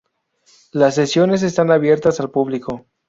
Las sesiones están abiertas al público.